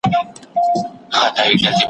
تاسو باید له خپلو مشرانو سره ادب ولرئ.